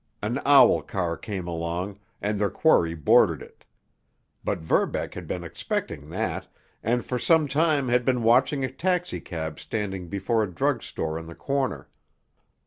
An owl car came along, and their quarry boarded it. But Verbeck had been expecting that, and for some time had been watching a taxicab standing before a drug store on the corner.